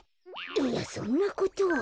いやそんなことは。